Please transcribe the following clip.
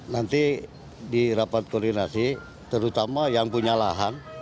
nanti dirapat koordinasi terutama yang punya lahan